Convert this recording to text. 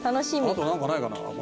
あと何かないかな。